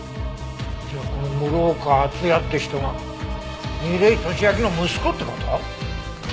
じゃあこの室岡厚也って人が楡井敏秋の息子って事？